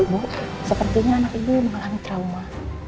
ibu sepertinya anak ibu mengalami trauma